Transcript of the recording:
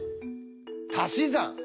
「たし算」。